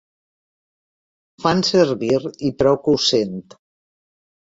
Fan servir i prou que ho sent.